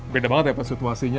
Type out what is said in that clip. beda banget ya situasinya